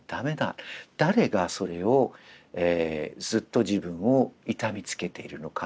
誰がそれをずっと自分を痛めつけているのか。